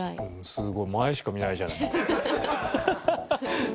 すごい前しか見ないじゃない。